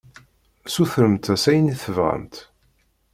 Sutremt-as ayen i tebɣamt.